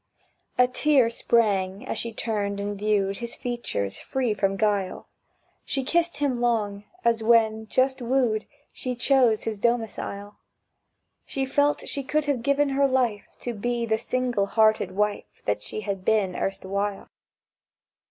A tear sprang as she turned and viewed His features free from guile; She kissed him long, as when, just wooed, She chose his domicile. She felt she could have given her life To be the single hearted wife That she had been erstwhile.